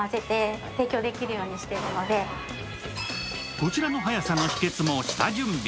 こちらの速さの秘けつも下準備。